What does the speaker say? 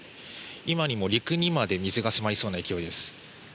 今にも陸にまで水が迫りそうな勢いです。